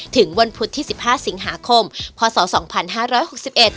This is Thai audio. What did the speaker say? สวัสดีครับ